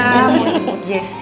jessy yang jemput jessy